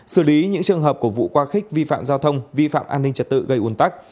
xử lý những trường hợp của vụ qua khích vi phạm giao thông vi phạm an ninh trật tự gây ồn tắc